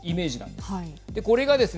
これがですね